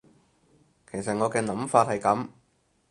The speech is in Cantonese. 其實我嘅諗法係噉